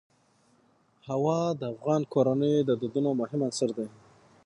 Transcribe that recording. هوا د افغان کورنیو د دودونو مهم عنصر دی.